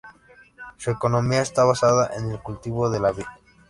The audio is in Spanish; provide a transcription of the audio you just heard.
Su economía está basada en el cultivo de la vid.